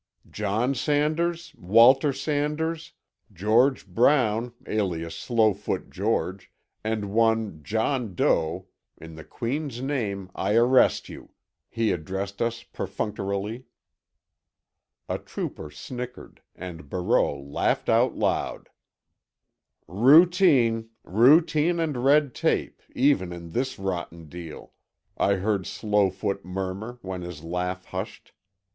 "John Sanders, Walter Sanders, George Brown alias Slowfoot George, and one John Doe, in the Queen's name I arrest you," he addressed us perfunctorily. A trooper snickered, and Barreau laughed out loud. "Routine—routine and red tape, even in this rotten deal," I heard Slowfoot murmur, when his laugh hushed.